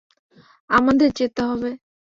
আমাদের যেতে হবে।